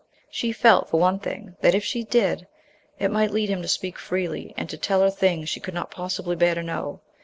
She felt, for one thing, that if she did, it might lead him to speak freely, and to tell her things she could not possibly bear to know.